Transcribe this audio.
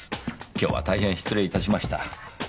今日は大変失礼いたしました。